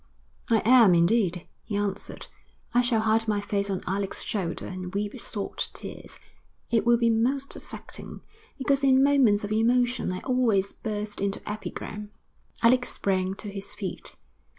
'I am, indeed,' he answered. 'I shall hide my face on Alec's shoulder and weep salt tears. It will be most affecting, because in moments of emotion I always burst into epigram.' Alec sprang to his feet.